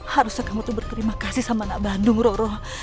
harusnya kamu tuh berterima kasih sama anak bandung roroh